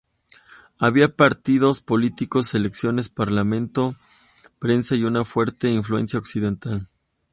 Había partidos políticos, elecciones, Parlamento, prensa y una fuerte influencia occidental.